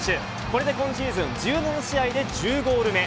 これで今シーズン１７試合で１０ゴール目。